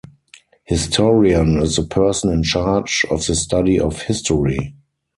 Historian is the person in charge of the study of history.